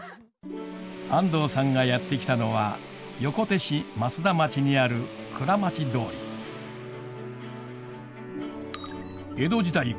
安藤さんがやって来たのは横手市増田町にある江戸時代